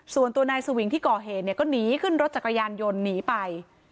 ส่วนตัวนายสวิงที่ก่อเหตุเนี่ยก็หนีขึ้นรถจักรยานยนต์หนีไป